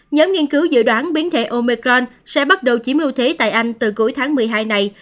nhóm nghiên cứu dự đoán biến thể omecron sẽ bắt đầu chỉ ưu thế tại anh từ cuối tháng một mươi hai này